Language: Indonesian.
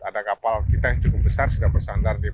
ada kapal kita yang cukup besar sudah bersandar